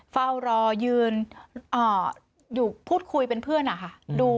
เฝ้ารอยืนอยู่พูดคุยเป็นเพื่อนนะคะ